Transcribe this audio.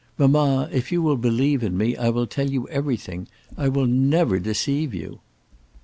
Mamma, if you will believe in me I will tell you everything. I will never deceive you."